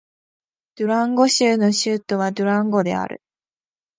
ドゥランゴ州の州都はドゥランゴである